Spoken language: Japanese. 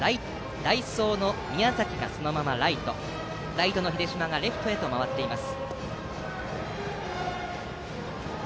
代走の宮崎がそのままライトライトの秀嶋がレフトへと回っています。